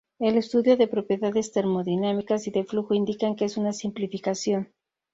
El estudio de propiedades termodinámicas y de flujo indican que es una simplificación.